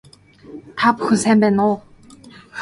Та бүхэн сайн байна уу